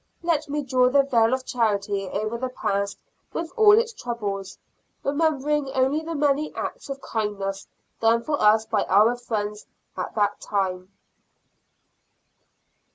Let me draw the veil of charity over the past with all its troubles, remembering only the many acts of kindness done for us by our friends at that time.